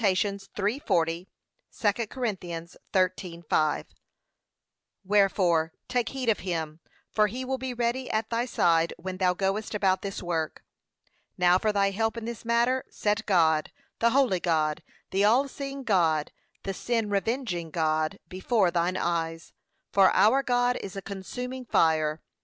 3:40; 2 Cor. 13:5) Wherefore take heed of him, for he will be ready at thy side when thou goest about this work. Now for thy help in this matter, set God, the holy God, the all seeing God, the sin revenging God, before thine eyes; 'for our God is a consuming fire.'